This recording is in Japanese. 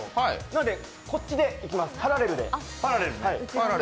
なので、こっちでいきます、パラレルで。